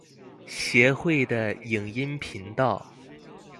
協會的影音頻道